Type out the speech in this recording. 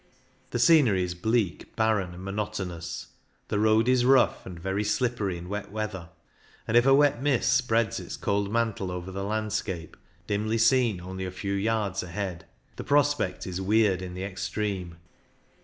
The scenery is bleak, barren, and monotonous ; the road is rough, and very slippery in wet weather ; and if a wet mist spreads its cold mantle over the landscape, dimly seen only a few yards ahead, the prospect is weird in the extreme.